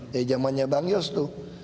dari zamannya bang yos tuh